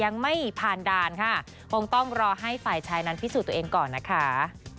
ยังไม่ผ่านด่านค่ะคงต้องรอให้ฝ่ายชายนั้นพิสูจน์ตัวเองก่อนนะคะ